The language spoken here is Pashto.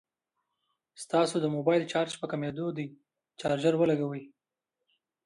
ستاسو د موبايل چارج په کميدو دی ، چارجر ولګوئ